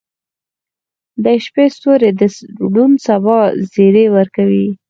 • د شپې ستوري د روڼ سبا زیری ورکوي.